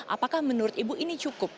apakah menurut ibu ini cukup